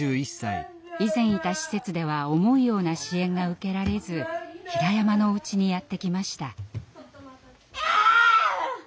以前いた施設では思うような支援が受けられずひらやまのお家にやって来ました。